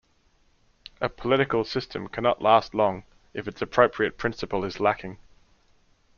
A political system cannot last long if its appropriate principle is lacking.